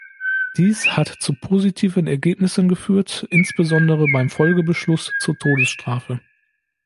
Dies hat zu positiven Ergebnissen geführt, insbesondere beim Folgebeschluss zur Todesstrafe.